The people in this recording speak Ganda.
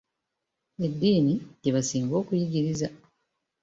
Eddiini gye baasinganga okuyigiriza.